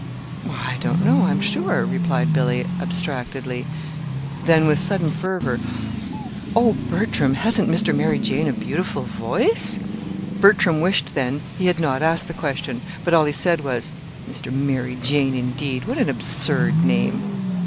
"Why, I don't know, I'm sure," replied Billy, abstractedly; then, with sudden fervor: "Oh, Bertram, hasn't Mr. Mary Jane a beautiful voice?" Bertram wished then he had not asked the question; but all he said was: "'Mr. Mary Jane,' indeed! What an absurd name!"